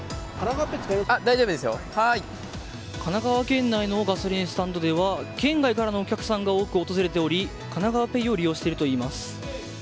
神奈川県内のガソリンスタンドでは県外からのお客さんが多く訪れておりかながわＰａｙを利用しているといいます。